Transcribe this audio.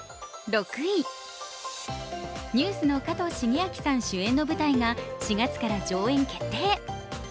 ＮＥＷＳの加藤シゲアキさん主演の舞台が４月から上演決定。